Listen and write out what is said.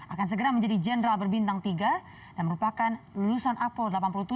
akan segera menjadi jenderal berbintang tiga dan merupakan lulusan apol delapan puluh tujuh